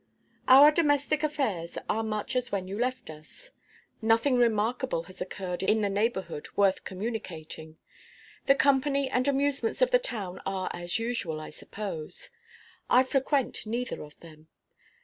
Our domestic affairs are much as when you left us. Nothing remarkable has occurred in the neighborhood worth communicating. The company and amusements of the town are as usual, I suppose. I frequent neither of them.